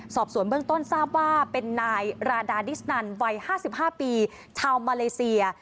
สอบสวนเบื้องต้นทราบว่าเป็นนายราดาดิสนันวัย๕๕ปีชาวมาเลเซีย